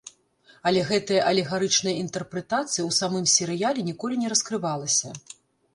Але гэтая алегарычная інтэрпрэтацыя ў самым серыяле ніколі не раскрывалася.